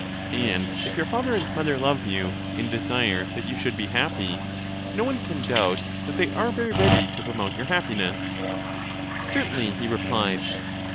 And if your father and mother love you, and desire that you should be happy, no one can doubt that they are very ready to promote your happiness. Certainly, he replied.